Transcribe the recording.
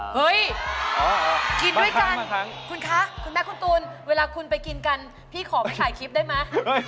เฮ้ยกินด้วยกันคุณคะคุณแม่คุณตูนเวลาคุณไปกินกันพี่ขอไปถ่ายคลิปได้ไหม